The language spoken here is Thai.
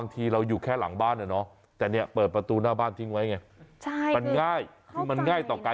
ค่ะค่ะค่ะ